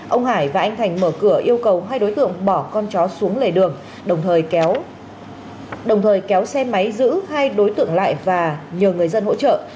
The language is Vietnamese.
ông hải và anh thành mở cửa yêu cầu hai đối tượng bỏ con chó xuống lề đường đồng thời kéo đồng thời kéo xe máy giữ hai đối tượng lại và nhờ người dân hỗ trợ